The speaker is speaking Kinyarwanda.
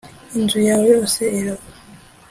inzu yawe yose irava